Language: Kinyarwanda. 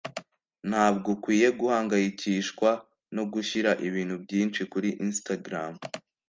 ntabwo ukwiye guhangayikishwa no gushyira ibintu byinshi kuri Instagram